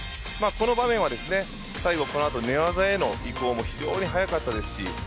この場面は最後、この後、寝技への移行も非常に速かったですし